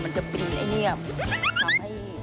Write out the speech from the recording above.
มันจะเป็นอันเนี่ยทำให้